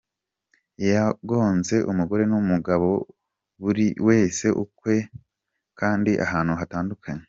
Yagonze umugore n’umugabo buri wese ukwe kandi ahantu hatandukanye.